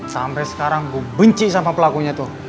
sampai sekarang benci sama pelakunya tuh